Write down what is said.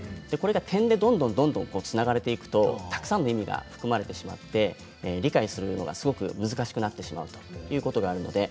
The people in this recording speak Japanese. これが「、」でどんどんつながれていくとたくさんの意味が含まれてしまって難しくなってしまうということがあります。